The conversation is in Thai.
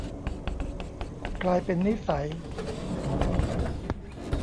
กลายเป็นนิสัย